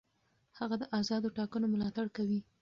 هغه د آزادو ټاکنو ملاتړ کوي.